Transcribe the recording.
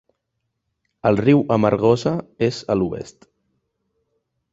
El riu Amargosa és a l'oest.